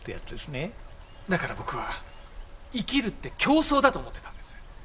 だから僕は生きるって競争だと思ってたんです。